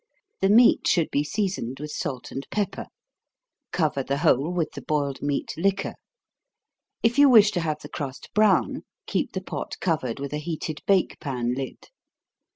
The meat should be seasoned with salt and pepper cover the whole with the boiled meat liquor. If you wish to have the crust brown, keep the pot covered with a heated bake pan lid.